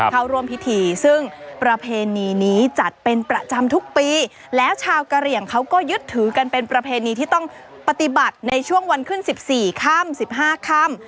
เข้าร่วมพิธีซึ่งประเพณีนี้จัดเป็นประจำทุกปีแล้วชาวกะเหลี่ยงเขาก็ยึดถือกันเป็นประเพณีที่ต้องปฏิบัติในช่วงวันขึ้นสิบสี่ค่ำสิบห้าค่ำ